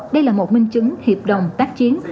đây là một minh chứng hiệp đồng tác chiến